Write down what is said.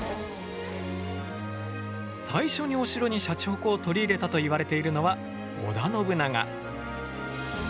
最初にお城にシャチホコを取り入れたといわれているのは織田信長。